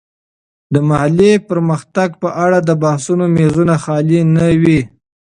د محلي پرمختګ په اړه د بحثونو میزونه خالي نه وي.